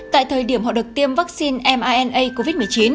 tại thời điểm họ được tiêm vaccine mna covid một mươi chín